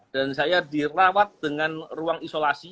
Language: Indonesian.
dan saya dirawat dengan ruang isolasi